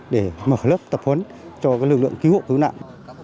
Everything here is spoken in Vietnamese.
để mở lớp tập huấn cho lực lượng cứu hộ cứu nạn